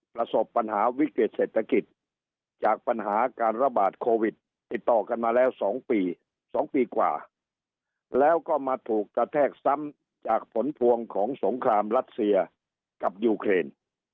ประสบปัญหาวิกฤติเศรษฐกิจจากปัญหาการระบาดโควิดติดต่อกันมาแล้ว๒ปี๒ปีกว่าแล้วก็มาถูกกระแทกซ้ำจากผลพวงของสงครามรัสเซียกับยูเครน